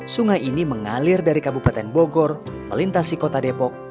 sungai ini mengalir dari kabupaten bogor melintasi kota depok